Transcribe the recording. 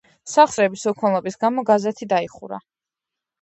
სახსრების უქონლობის გამო გაზეთი დაიხურა.